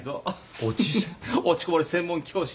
落ちこぼれ専門教師。